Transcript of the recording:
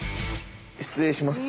失礼します！